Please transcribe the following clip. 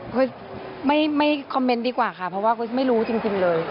ไม่คอมเมนต์ดีกว่าค่ะเพราะว่าคริสไม่รู้จริงเลย